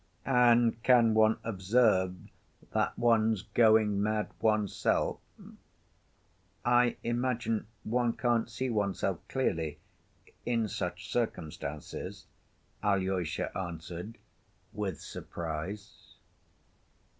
"And can one observe that one's going mad oneself?" "I imagine one can't see oneself clearly in such circumstances," Alyosha answered with surprise.